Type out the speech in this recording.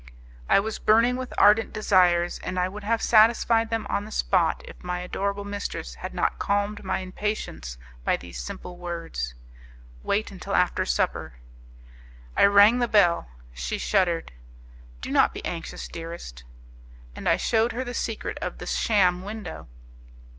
I was burning with ardent desires, and I would have satisfied them on the spot, if my adorable mistress had not calmed my impatience by these simple words: "Wait until after supper." I rang the bell; she shuddered. "Do not be anxious, dearest." And I shewed her the secret of the sham window.